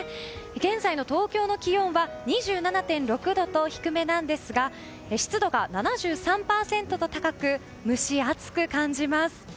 現在の東京の気温は２７．６度と低めなんですが湿度が７３％と高く蒸し暑く感じます。